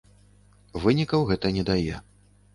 Вынікаў гэта не дае.